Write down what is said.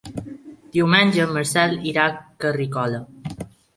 Diumenge en Marcel irà a Carrícola.